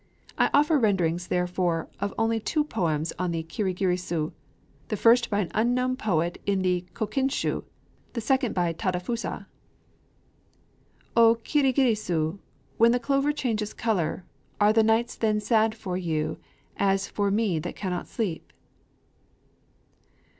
I offer renderings therefore of only two poems on the kirigirisu, the first by an unknown poet in the Kokinshū; the second by Tadafusa: O Kirigirisu! when the clover changes color, Are the nights then sad for you as for me that cannot sleep?